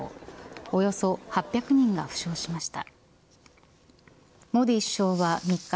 およそ８００人が負傷しました。